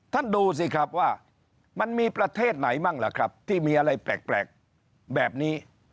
ท่านดูสิครับว่ามันมีประเทศไหนบ้างล่ะครับที่มีอะไรแปลกแบบนี้